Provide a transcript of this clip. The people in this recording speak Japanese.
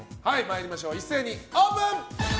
一斉にオープン！